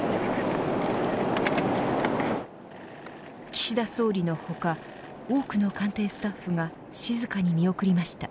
岸田総理の他多くの官邸スタッフが静かに見送りました。